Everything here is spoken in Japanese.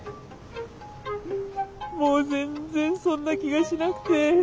もう全然そんな気がしなくて。